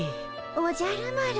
おじゃる丸。